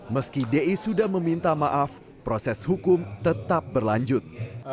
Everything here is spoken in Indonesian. meski di sudah meminta maaf proses hukum tetap berlanjut